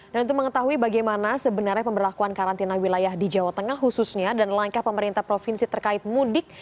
dan untuk mengetahui bagaimana sebenarnya pemberlakuan karantina wilayah di jawa tengah khususnya dan langkah pemerintah provinsi terkait mudik